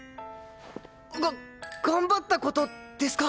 が頑張った事ですか？